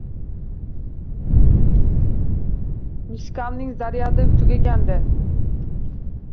Mishkamning zaryadi tugagandi.